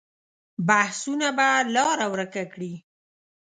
بحثونه به لاره ورکه کړي.